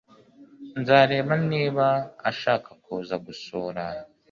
Nzareba niba ashaka kuza gusura.